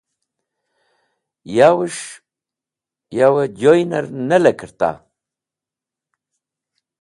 Yawẽs̃h yavẽ joynẽr ne lekerta?